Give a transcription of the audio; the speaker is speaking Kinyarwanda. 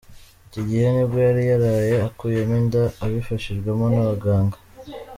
Iki gihe nibwo yari yaraye akuyemo inda abifashijwemo n’abaganga.